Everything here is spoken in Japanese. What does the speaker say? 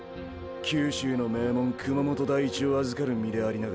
九州の名門熊本台一を預かる身でありながら。